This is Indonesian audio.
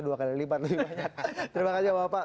dua kali lebih banyak terima kasih bapak